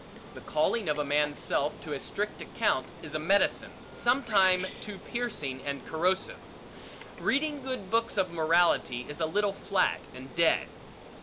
The calling of a man's self to a strict account, is a medicine, sometime too piercing and corrosive. Reading good books of morality, is a little flat and dead.